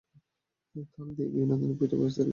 তাল দিয়ে বিভিন্ন ধরনের পিঠা-পায়েস তৈরি করা যায়।